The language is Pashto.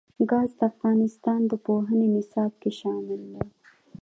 ګاز د افغانستان د پوهنې نصاب کې شامل دي.